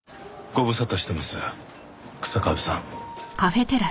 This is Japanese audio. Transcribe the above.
ご無沙汰してます日下部さん。